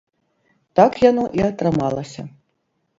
Так яно і атрымалася!